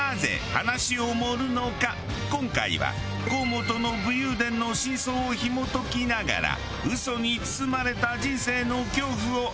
今回は河本の武勇伝の真相をひもときながら嘘に包まれた人生の恐怖を学んでいきましょう。